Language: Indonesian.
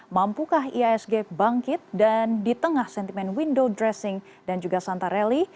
mampukah iasg bangkit dan di tengah sentimen window dressing dan juga santarelli